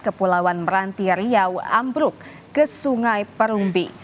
kepulauan merantir yau ambruk ke sungai perumbi